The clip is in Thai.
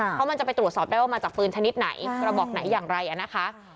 เพราะมันจะไปตรวจสอบได้ว่ามาจากปืนชนิดไหนกระบอกไหนอย่างไรนะคะ